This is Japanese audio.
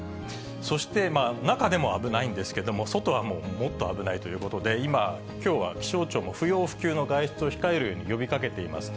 そして中でも危ないんですけれども、外はもう、もっと危ないということで、今、きょうは気象庁も不要不急の外出を控えるように呼びかけています。